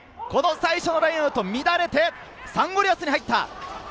最初のラインアウト、乱れてサンゴリアスに入った。